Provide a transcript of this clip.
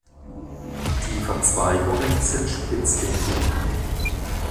Die Verzweigungen sind spitzwinklig.